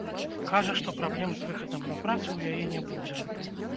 Кажа, што праблем з выхадам на працу ў яе не будзе.